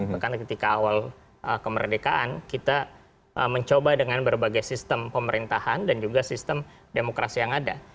bahkan ketika awal kemerdekaan kita mencoba dengan berbagai sistem pemerintahan dan juga sistem demokrasi yang ada